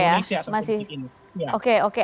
masih sesuai ya masih oke oke